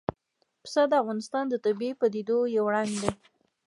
پسه د افغانستان د طبیعي پدیدو یو رنګ دی.